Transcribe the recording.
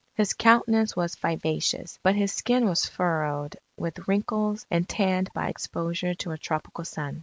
His countenance was vivacious; but his skin was furrowed with wrinkles and tanned by exposure to a tropical sun.